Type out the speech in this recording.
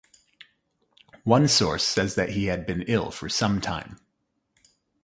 One source says that he had been ill for some time.